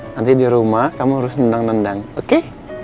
nanti di rumah kamu harus nendang nendang oke